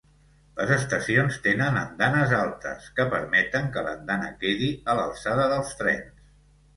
Les estacions tenen andanes altes, que permeten que l'andana quedi a l'alçada dels trens.